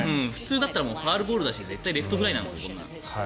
普通だったらファウルボールだし絶対、レフトフライなんですよ。